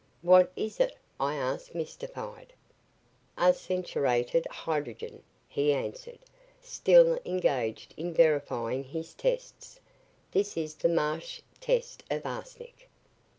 "What is it?" I asked, mystified. "Arseniuretted hydrogen," he answered, still engaged in verifying his tests. "This is the Marsh test for arsenic."